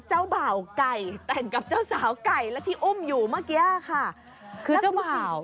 เจ้าบ่าวไก่แต่งกับเจ้าสาวไก่แล้วที่อุ้มอยู่เมื่อกี้ค่ะคือเจ้าบ่าว